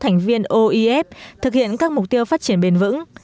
thành viên oef thực hiện các mục tiêu phát triển bền vững